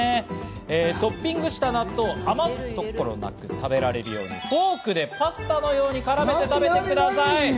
トッピングした納豆を余すところなく食べられるようにフォークでパスタのように絡めて食べてください。